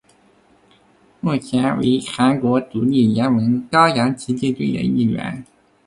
目前为韩国独立联盟高阳奇迹队一员。